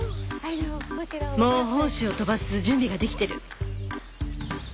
もう胞子を飛ばす準備ができてる。